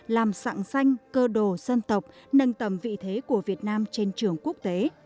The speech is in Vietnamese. làm sẵn xanh cơ đồ dân tộc nâng tầm vị thế của việt nam trên trường quốc tế